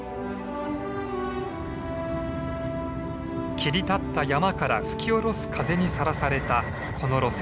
切り立った山から吹き下ろす風にさらされたこの路線。